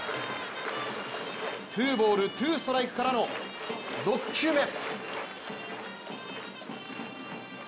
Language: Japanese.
ツーボール、ツーストライクからの６球目。